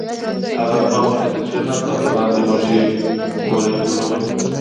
هغه زما مخې ته کېناست او د لاندي غوښې ګولې یې جوړولې.